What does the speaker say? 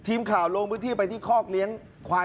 ทีมข่าวลงพื้นที่ไปที่คอกเลี้ยงควาย